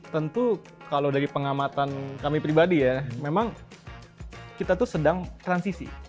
tentu kalau dari pengamatan kami pribadi ya memang kita tuh sedang transisi